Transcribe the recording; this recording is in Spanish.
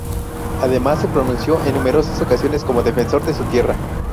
Además se pronunció en numerosas ocasiones como defensor de su tierra.